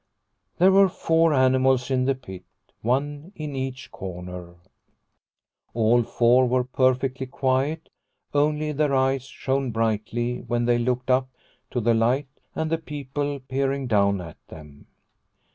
There were four animals in the pit, one in each corner. All four were per fectly quiet, only their eyes shone brightly when they looked up to the light and the people peering down at them.